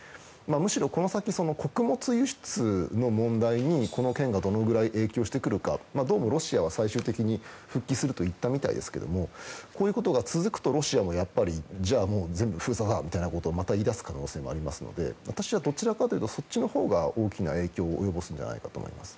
むしろ、この先穀物輸出の問題にこの件がどのくらい影響してくるかどうかどうもロシアは最終的に復帰すると言ったみたいですけどこれが続くとロシアも全部封鎖だということを言い出す可能性もありますので私はそっちのほうが大きな影響を及ぼすんじゃないかと思います。